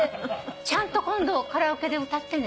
ちゃんと今度カラオケで歌ってね。